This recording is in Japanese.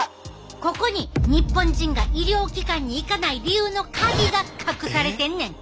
ここに日本人が医療機関に行かない理由のカギが隠されてんねん！